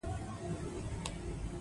زراعت د افغان ښځو په ژوند کې رول لري.